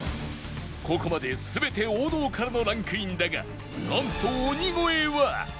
ここまで全て王道からのランクインだがなんと鬼越は